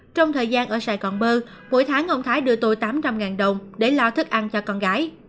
trong thời gian ở sài gòn bơ mỗi tháng ông thái đưa tôi tám trăm linh đồng để lo thức ăn cho con gái